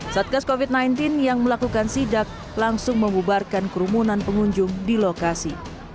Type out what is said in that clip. satgas covid sembilan belas yang melakukan sidak langsung membubarkan kerumunan pengunjung di lokasi